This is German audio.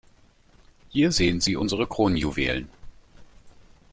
Hier sehen Sie unsere Kronjuwelen.